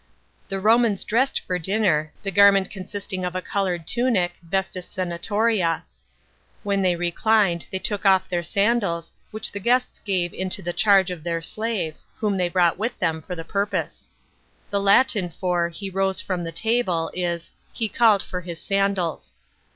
The Romans dressed for dinner, the garment consisting of a coloured tunic (yestis cenatoria). When thev reclined, they took otf their sandals, which the uuests iinve into the charge of their slaves, whom they brought with them for flit purpose. The Latin for " he rose from table " is " he called for his sandals."